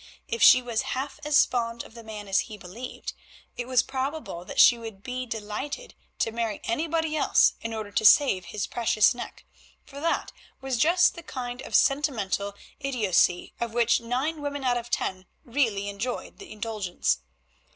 If she was half as fond of the man as he believed, it was probable that she would be delighted to marry anybody else in order to save his precious neck, for that was just the kind of sentimental idiocy of which nine women out of ten really enjoyed the indulgence.